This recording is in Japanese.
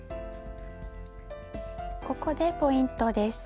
ここでポイントです。